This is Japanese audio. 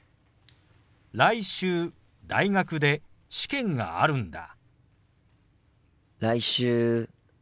来週大学で試験があるんだ。